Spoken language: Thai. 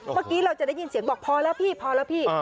เมื่อกี้เราจะได้ยินเสียงบอกพอแล้วพี่พอแล้วพี่